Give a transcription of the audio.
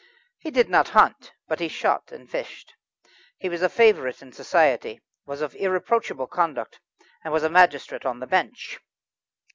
He did not hunt, but he shot and fished. He was a favourite in Society, was of irreproachable conduct, and was a magistrate on the bench.